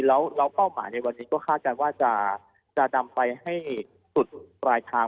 แล้วเป้าหมายในวันนี้ก็คาดการณ์ว่าจะนำไปให้สุดปลายทาง